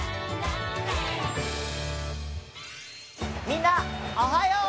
みんなおはよう！